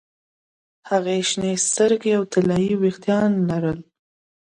هغې شنې سترګې او طلايي ویښتان لرل